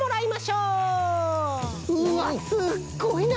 うわっすっごいな！